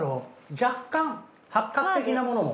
若干八角的なものも。